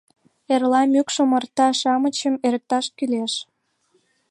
Эрла мӱкш омарта-шамычым эрыкташ кӱлеш.